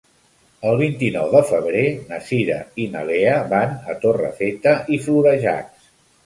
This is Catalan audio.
El vint-i-nou de febrer na Cira i na Lea van a Torrefeta i Florejacs.